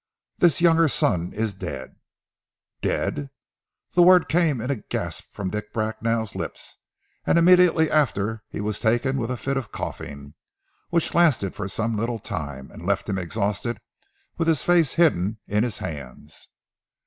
This younger son is dead " "Dead!" The word came in a gasp from Dick Bracknell's lips, and immediately after he was taken with a fit of coughing which lasted for some little time, and left him exhausted with his face hidden in his hands.